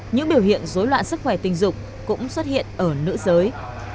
những biểu hiện dối loạn sức khỏe tình dục cũng xuất hiện ở nữ giới